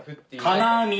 「金網」。